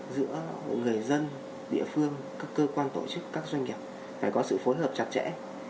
giữa người dân địa phương các cơ quan tổ chức các doanh nghiệp phải có sự phối hợp chặt chẽ